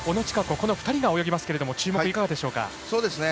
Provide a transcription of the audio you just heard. この２人が泳ぎますが注目いかがでしょうか。